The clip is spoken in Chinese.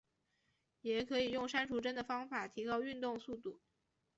也可以用删除帧的办法提高运动速度。